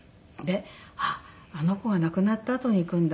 「あっあの子が亡くなったあとに行くんだ」。